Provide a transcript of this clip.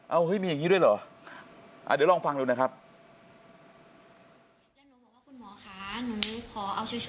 เอ้าเห้ยมีอย่างนี้ด้วยเหรอ